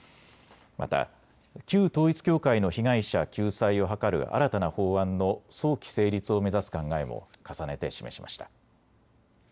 また旧統一教会の被害者救済を図る新たな法案の早期成立を目指す考えも重ねて示しました。